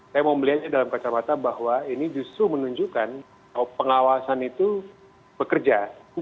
saya mau melihatnya dalam kacamata bahwa ini justru menunjukkan pengawasan itu bekerja